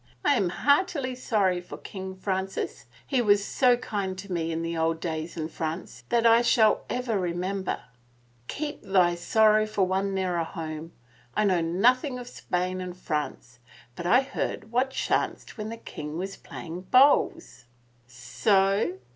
I am heartily sorry for King Francis. He was so kind to me in the old days in France that I shall ever remember —"" Keep thy sorrow for one nearer home. I know nothing of Spain and France — I but heard what chanced when the king was playing bowls." "So?